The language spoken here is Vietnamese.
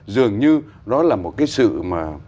dường như đó là một cái sự mà